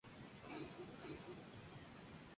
El libro de Las Navegaciones Interiores.